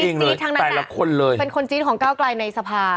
เป็นคนจีนทางนั้นน่ะเป็นคนจีนของก้าวกลายในสภา